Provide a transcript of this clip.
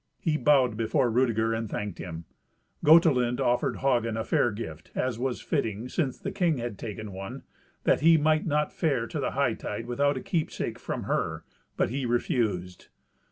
He bowed before Rudeger and thanked him. Gotelind offered Hagen a fair gift, as was fitting, since the king had taken one, that he might not fare to the hightide without a keepsake from her, but he refused.